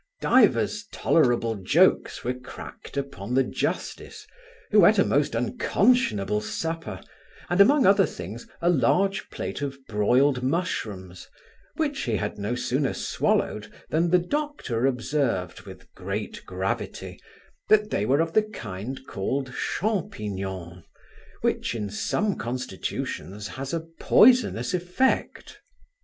Divers tolerable jokes were cracked upon the justice, who eat a most unconscionable supper, and, among other things, a large plate of broiled mushrooms, which he had no sooner swallowed than the doctor observed, with great gravity, that they were of the kind called champignons, which in some constitutions has a poisonous effect.